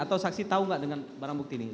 atau saksi tahu nggak dengan barang bukti ini